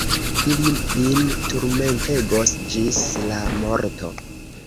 Ili lin turmentegos ĝis la morto.